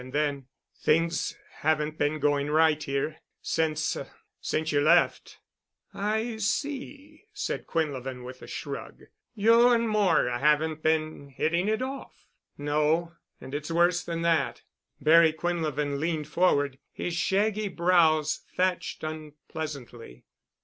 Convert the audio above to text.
And then, "Things haven't been going right, here—since—er—since you left." "I see," said Quinlevin with a shrug. "You and Moira haven't been hitting it off——" "No. And it's worse than that." Barry Quinlevin leaned forward, his shaggy brows thatched unpleasantly.